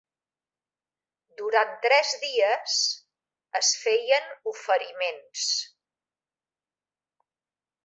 Durant tres dies es feien oferiments.